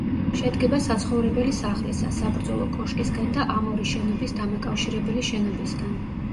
შედგება საცხოვრებელი სახლისა, საბრძოლო კოშკისგან და ამ ორი შენობის დამაკავშირებელი შენობისგან.